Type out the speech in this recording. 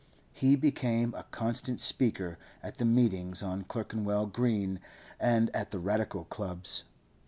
He became a constant speaker at the meetings on Clerkenwell Green and at the Radical clubs.